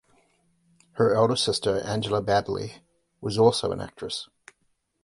Her elder sister, Angela Baddeley, was also an actress.